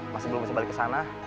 masih belum bisa balik kesana